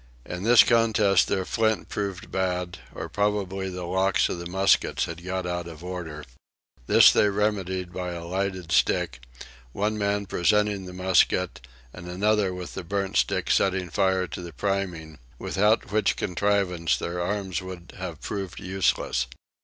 In this contest their flints proved bad, or probably the locks of the muskets had got out of order: this they remedied by a lighted stick, one man presenting the musket and another with the burnt stick setting fire to the priming; without which contrivance their arms would have proved useless.